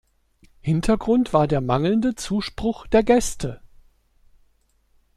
Hintergrund war der mangelnde Zuspruch der Gäste.